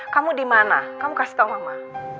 kamu di mana kamu kasih tahu mama